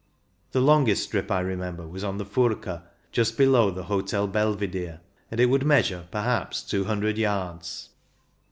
The longest strip I remember was on the Furka, just below the Hotel Belvidere, and it would measure perhaps two hundred yards.